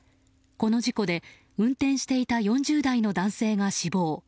この事故で運転していた４０代の男性が死亡。